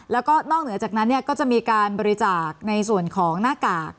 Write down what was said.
แล้วก็นอกเหนือจากนั้นก็จะมีการบริจาคในส่วนของหน้ากาก